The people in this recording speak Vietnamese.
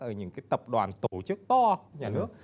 ở những tập đoàn tổ chức to nhà nước